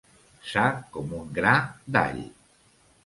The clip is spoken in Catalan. Sa com un gra d'all.